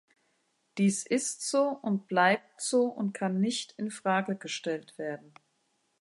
Dies ist so und bleibt so und kann nicht in Frage gestellt werden.